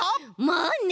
まあね！